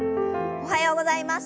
おはようございます。